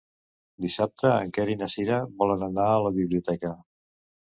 Dissabte en Quer i na Cira volen anar a la biblioteca.